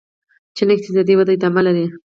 چین اقتصادي وده ادامه لري.